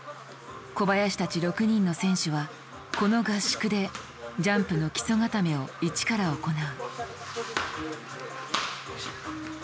小林たち６人の選手はこの合宿でジャンプの基礎固めを一から行う。